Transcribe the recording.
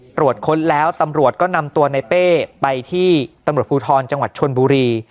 ตรวจค้นแล้วตำรวจก็นำตัวในเป้ไปที่ตำรวจภูทรจังหวัดชนบุรี